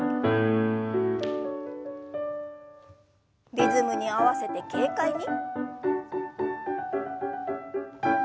リズムに合わせて軽快に。